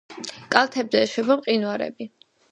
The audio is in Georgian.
კალთებზე ეშვება მყინვარები.